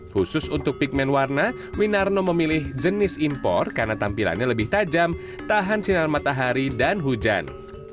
khusus untuk pigment warna winarno memilih jenis impor karena tampilannya lebih tajam tahan sinar matahari dan hujan